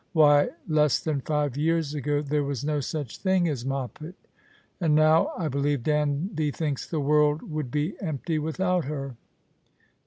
Why, less than five years ago there was no such thing as Moppet ; and now I believe Danby thinks the world would be empty without her."